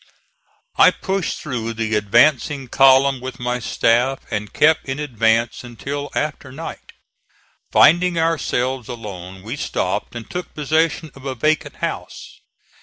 I pushed through the advancing column with my staff and kept in advance until after night. Finding ourselves alone we stopped and took possession of a vacant house.